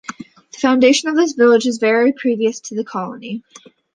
The foundation of this village is very previous to the colony.